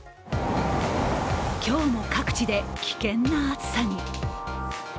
今日も各地で危険な暑さに。